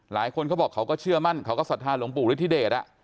เขาบอกเขาก็เชื่อมั่นเขาก็ศรัทธาหลวงปู่ฤทธิเดช